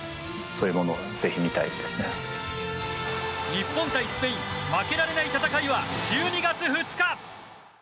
日本対スペイン負けられない戦いは１２月２日。